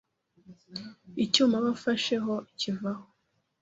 icyuma aba afasheho kivaho